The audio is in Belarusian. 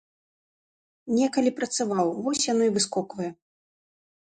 Некалі працаваў, вось яно і выскоквае.